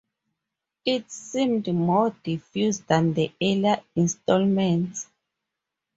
It seemed more diffuse than the earlier installments.